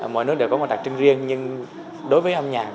mọi nước đều có một đặc trưng riêng nhưng đối với âm nhạc